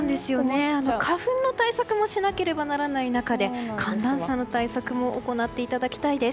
花粉の対策もしなければならない中で寒暖差の対策も行っていただきたいです。